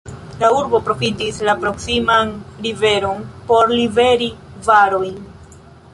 La urbo profitis la proksiman riveron por liveri varojn.